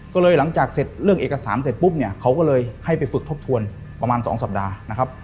ก็เลยหลังจากเสร็จเรื่องเอกสารเสร็จปุ๊บเนี่ยเขาก็เลยให้ไปฝึกทบทวนประมาณ๒สัปดาห์นะครับ